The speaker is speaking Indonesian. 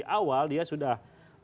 awal dia sudah